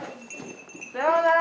さようなら！